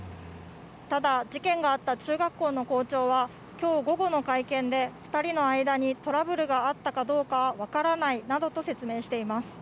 ただ、事件があった中学校の校長は、きょう午後の会見で、２人の間にトラブルがあったかどうかは分からないなどと説明しています。